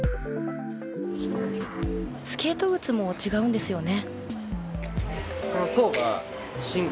スケート靴も違うんですよね？